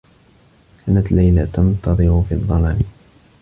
كانت ليلى تنتظر في الظّلام.